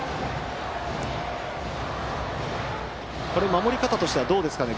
守り方としては、どうですかね。